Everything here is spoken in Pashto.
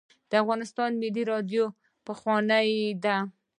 د افغانستان ملي راډیو پخوانۍ ده